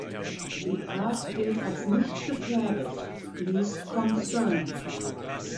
Die Art gilt als nicht gefährdet ("Least concern").